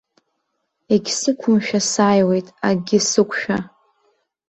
Егьсықәымшәа сааиуеит, акгьы сықәшәа.